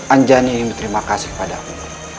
anjani ingin berterima kasih padaku